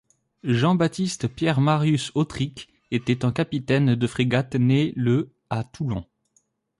Jean Baptiste Pierre Marius Autric était un capitaine de frégate né le à Toulon.